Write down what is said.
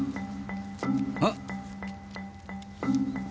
あっ。